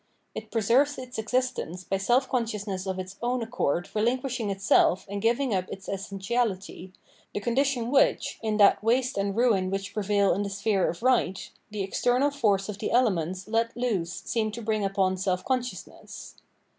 It preserves its existence by self con sciousness of its own accord relinquishing itself and giving up its essentiality, the condition which, in that waste and ruin which prevail in the sphere of right, the external force of the elements let loose seems to bring upon self consciousness.